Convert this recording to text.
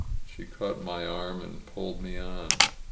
She caught my arm and pulled me on.